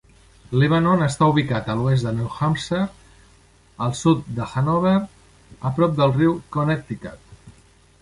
Lebanon està ubicat a l'oest de Nou Hampshire, al sud de Hanover, a prop del riu Connecticut.